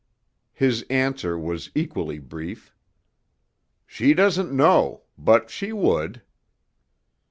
His answer was equally brief: _'She doesn't know, but she would.'